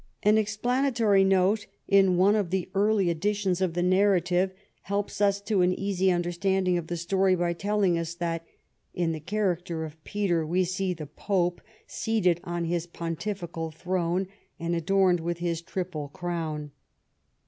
An explanatory note in one of the early editions of the narrative helps us to an easy understanding of the story by telling us that " in the character of Peter, we see the Pope seated on his pon tifical throne, and adorned with his triple crown.